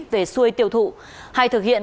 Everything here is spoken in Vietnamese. về xuôi tiêu thụ hay thực hiện